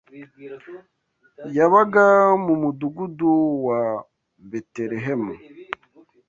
Yabaga mu mudugudu wa Betelehemu